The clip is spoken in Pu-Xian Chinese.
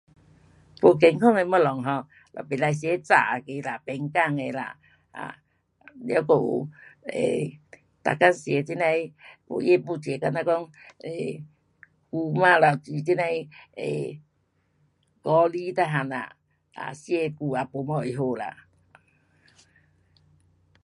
不健康的东西 um 就不可吃炸那个啦，panggang 的啦，um 了还有 um 每天吃这样的有真不正好像讲姑妈啦，煮这样的 um 咖喱全部啦，um 吃久也不什会好啦。